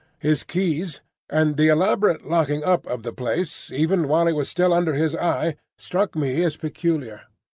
His keys, and the elaborate locking up of the place even while it was still under his eye, struck me as peculiar.